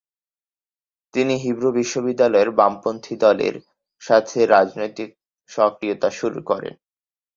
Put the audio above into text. তিনি হিব্রু বিশ্ববিদ্যালয়ের বামপন্থী দলের সাথে রাজনৈতিক সক্রিয়তা শুরু করেন।